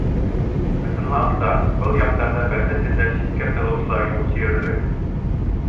Ысынлап та, был яҡтарҙа бәхет эҙләп ситкә сығыусылар юҡ тиерлек.